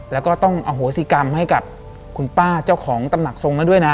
และต้องอโหสิกรรมกับคุณป้าเจ้าของตำนักทรงส์นะด้วยนะ